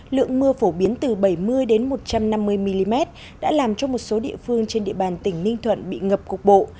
lượng mưa phổ biến từ bảy mươi một trăm năm mươi mm đã làm cho một số địa phương trên địa bàn tỉnh ninh thuận bị ngập cục bộ